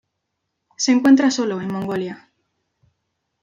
Se encuentra sólo en Mongolia.